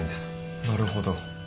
なるほど。